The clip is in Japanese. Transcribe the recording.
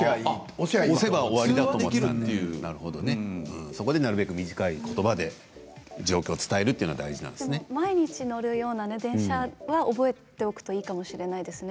押せば終わりだと思っていたのでそこでなるべく短いことばで状況を伝えるというのが大事なん毎日乗るような電車は覚えておくといいかもしれないですね。